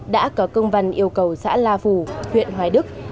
đã có công văn yêu cầu xã la phủ huyện hoài đức